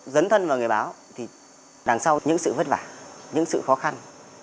dấn thân vào người báo thì đằng sau những sự vất vả những sự khó khăn